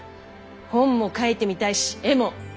本も書いてみたいし画も。